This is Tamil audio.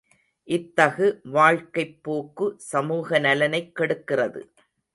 இத்தகு வாழ்க்கைப் போக்கு சமூக நலனைக்கெடுக்கிறது.